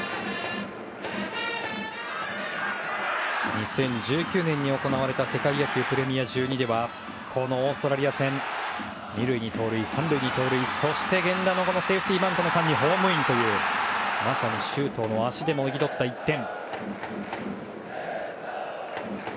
２０１９年に行われた世界野球プレミア１２ではオーストラリア戦２塁に盗塁、３塁に盗塁そして源田のセーフティーバントの間にホームインというまさに周東の足でもぎ取った１点。